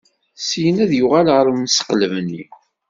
Syin ad yuɣal ɣer mseqleb-nni.